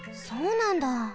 そうなんだ。